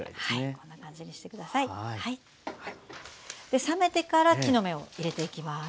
で冷めてから木の芽を入れていきます。